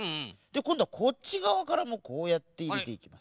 こんどはこっちがわからもこうやっていれていきます。